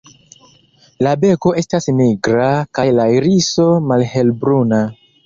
La beko estas nigra kaj la iriso malhelbruna.